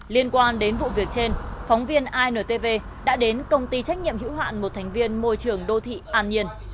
liên quan đến vụ việc trên phóng viên intv đã đến công ty trách nhiệm hữu hạn